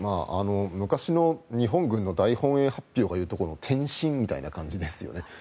昔の日本軍の大本営発表が言うところの転進みたいな感じですよね。